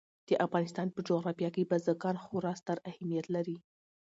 د افغانستان په جغرافیه کې بزګان خورا ستر اهمیت لري.